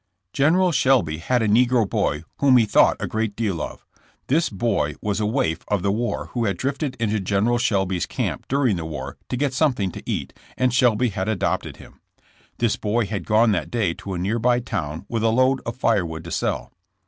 General Shelby had a negro boy whom he thought a great deal of. This boy was a waif of the war who had drifted into General Shelby's camp during the war to get something to eat, and Shelby had adopted him. This boy had gone that day to a near by town with a load of firewood to sell.